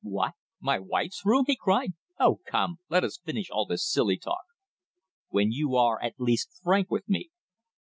"What! My wife's room!" he cried. "Oh, come let us finish all this silly talk." "When you are, at least, frank with me!"